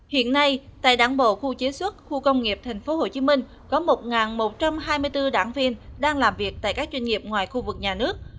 hiện nay tại đảng bộ khu chế xuất khu công nghiệp tp hcm có một một trăm hai mươi bốn đảng viên đang làm việc tại các doanh nghiệp ngoài khu vực nhà nước